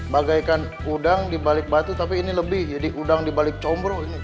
bagaikan udang dibalik batu tapi ini lebih jadi udang dibalik combro ini